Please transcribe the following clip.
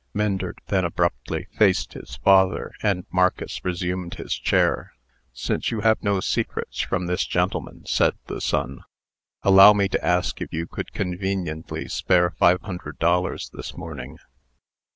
Myndert then abruptly faced his fatherland Marcus resumed his chair. "Since you have no secrets from this gentleman," said the son, "allow me to ask if you could conveniently spare five hundred dollars this morning?"